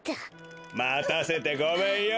またせてごめんよ。